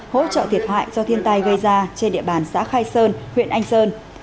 hỗ trợ thiệt hại do thiên tai gây ra trên địa bàn xã khai sơn huyện anh sơn